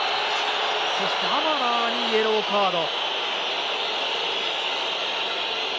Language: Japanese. そしてアマラーにイエローカード。